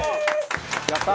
やったー！